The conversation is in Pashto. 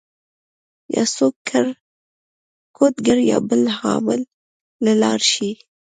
يا څوک کوډ ګر يا بل عامل له لاړ شي